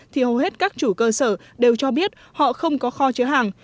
thì hầu hết các chủ cơ sở đều cho biết họ không có kho chứa hàng